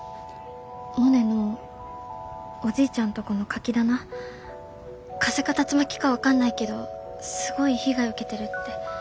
モネのおじいちゃんとこのカキ棚風か竜巻か分かんないけどすごい被害受けてるって。